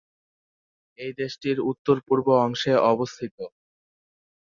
এটি দেশটির উত্তর-পূর্ব অংশে অবস্থিত।